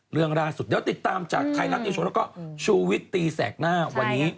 เรื่องล่าสุดเดี๋ยวติดตามกับใครหนักเดียวส่วนครับชูวิทย์ตรอร์ตีแสกหน้าวันนี้